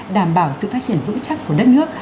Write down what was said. đảm bảo sự phát triển vững chắc của đất nước